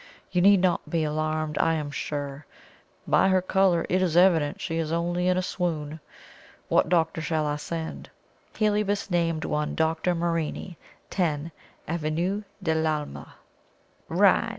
You need not be alarmed, I am sure. By her colour it is evident she is only in a swoon. What doctor shall I send?" Heliobas named one Dr. Morini, 10, Avenue de l'Alma. "Right!